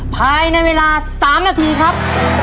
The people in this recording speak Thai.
ภายในเวลา๓นาทีครับ